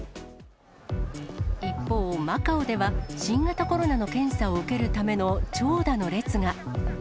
一方、マカオでは、新型コロナの検査を受けるための長蛇の列が。